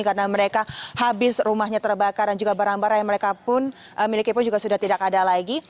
karena mereka habis rumahnya terbakar dan juga barang barang yang mereka pun miliki pun juga sudah tidak ada lagi